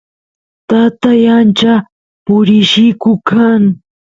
tatay ancha purilliku kan